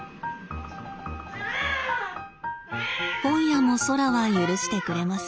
今夜もそらは許してくれません。